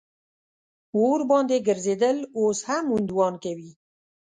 اور باندې ګرځېدل اوس هم هندوان کوي.